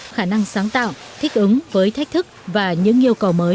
khả năng sáng tạo thích ứng với thách thức và những yêu cầu mới